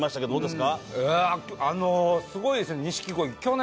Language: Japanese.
すごいですね、錦鯉。